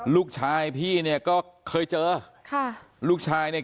ลูกชายพี่เนี่ยก็เคยเจอ